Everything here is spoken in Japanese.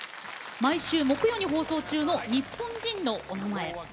毎週木曜日に放送中の「日本人のおなまえ」。